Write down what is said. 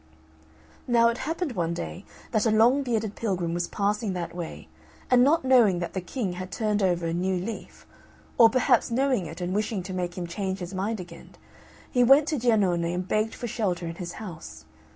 Now it happened one day, that a long bearded pilgrim was passing that way, and not knowing that the King had turned over a new leaf, or perhaps knowing it and wishing to make him change his mind again, he went to Giannone and begged for shelter in his house.